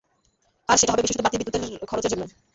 আর সেটা হবে বিশেষত বাড়তি বিদ্যুৎ খরচের জন্যই।